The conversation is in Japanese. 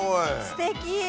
すてき！